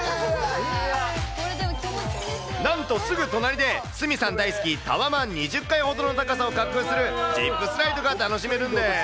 なんとすぐ隣で、鷲見さん大好きタワマン２０階ほどの高さを滑空するジップスライ